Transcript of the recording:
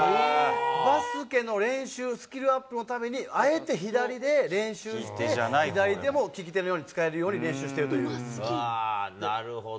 バスケの練習、スキルアップのために、あえて左で練習して、左手も利き手のように使えるようなるほど。